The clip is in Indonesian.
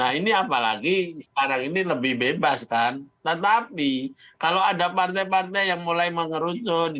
nah ini apalagi sekarang ini lebih bebas kan tetapi kalau ada partai partai yang mulai mengerucut